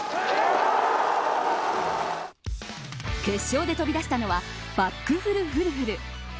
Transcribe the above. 決勝で飛び出したのはバックフル・フル・フル。